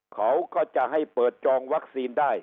เขาก็จะให้เปิดจองวัคซีนได้